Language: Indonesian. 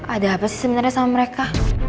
ada apa sih sebenarnya sama mereka